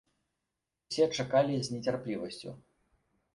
Усе чакалі з нецярплівасцю.